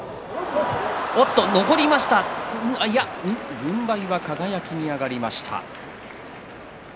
軍配が輝に上がりました。